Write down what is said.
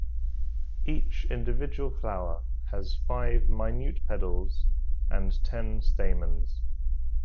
Each individual flower has five minute pedals and ten stamens.